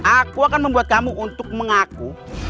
aku akan membuat kamu untuk mengaku